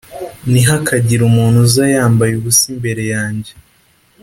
ntihakagire umuntu uzayambaye ubusa imbere yanjye